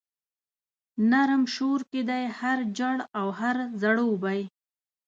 نرم شور کښي دی هر چړ او هر ځړوبی